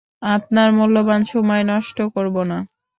আপনার মূল্যবান সময় নষ্ট করব না।